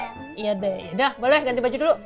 kita belanja baju dulu ya